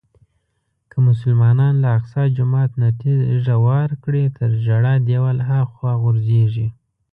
که مسلمانان له اقصی جومات نه تیږه واره کړي تر ژړا دیوال هاخوا غورځېږي.